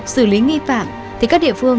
xử lý nghi phạm thì các địa phương